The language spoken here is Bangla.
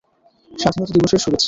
স্বাধীনতা দিবসের শুভেচ্ছা।